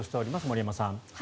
森山さん。